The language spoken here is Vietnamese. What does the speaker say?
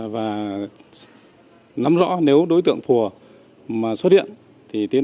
và nắm rõ nếu đối tượng phùa xuất hiện